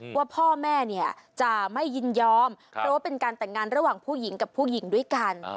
ว่าพ่อแม่เนี่ยจะไม่ยินยอมเพราะว่าเป็นการแต่งงานระหว่างผู้หญิงกับผู้หญิงด้วยกัน